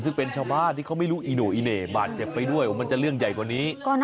ซึ่งเป็นชาวบ้านที่เขาไม่รู้อีโน่อีเหน่บาดเจ็บไปด้วยมันจะเรื่องใหญ่กว่านี้